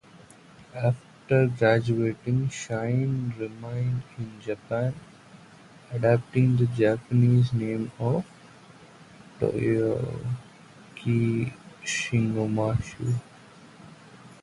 After graduating, Shin remained in Japan, adopting the Japanese name of Takeo Shigemitsu.